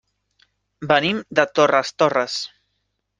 Venim de Torres Torres.